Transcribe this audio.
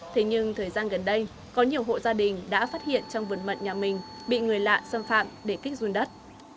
thế nhưng thời gian gần đây có nhiều hộ gia đình đã phát hiện trong vườn mận nhà mình bị người lạ xâm phạm để kích dùng đất